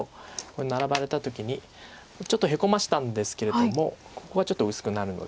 これナラばれた時にちょっとヘコましたんですけれどもここがちょっと薄くなるのでこれがどうかっていうことです。